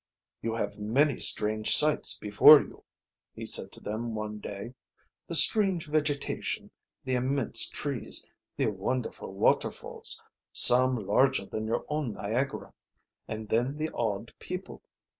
"You have many strange sights before you," he said to them one day. "The strange vegetation, the immense trees, the wonderful waterfalls, some larger than your own Niagara, and then the odd people.